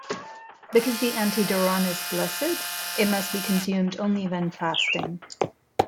Because the antidoron is blessed, it must be consumed only when fasting.